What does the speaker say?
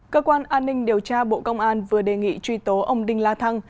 cơ quan an ninh điều tra bộ công an vừa đề nghị truy tố ông đinh la thăng